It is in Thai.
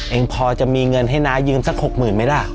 เองพอจะมีเงินให้นายืมสักหกหมื่นไหมล่ะ